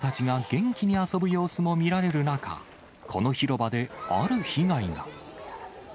プールもあり、子どもたちが元気に遊ぶ様子も見られる中、この広場で、ある被害が。